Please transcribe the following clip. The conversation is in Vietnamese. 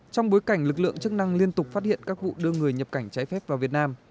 trong bối cảnh lực lượng chức năng liên tục phát hiện các vụ đưa người nhập cảnh trái phép vào việt nam